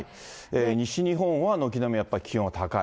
西日本は軒並みやっぱり気温は高い。